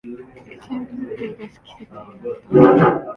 扇風機を出す季節になった